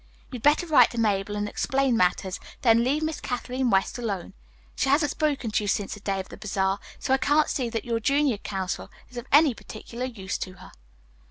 You had better write to Mabel and explain matters, then leave Miss Kathleen West alone. She hasn't spoken to you since the day of the bazaar, so I can't see that your junior counsel is of any particular use to her."